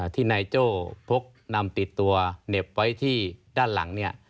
ที่นายโจ้พกนำติดตัวเหน็บไว้ที่ด้านหลังเนี่ย